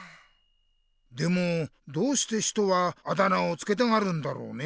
でもどうして人はあだ名をつけたがるんだろうね？